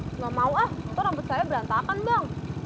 nggak mau ah itu rambut saya berantakan bang